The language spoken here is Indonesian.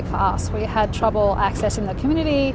kami mengalami masalah mengakses ke komunitas